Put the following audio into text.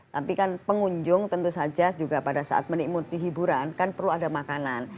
tapi kan pengunjung tentu saja juga pada saat menikmati hiburan kan perlu ada makanan